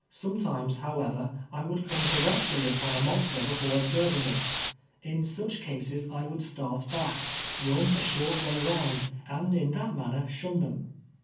Sometimes, how ever, I would come directly upon a monster before ohserviiiij; it. In such cases, I would start liack, run a short way round, and in that manner shun them.